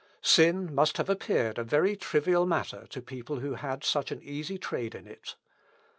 Sin must have appeared a very trivial matter to people who had such an easy trade in it.